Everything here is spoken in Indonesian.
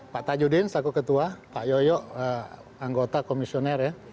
pak tajudin saku ketua pak yoyok anggota komisioner ya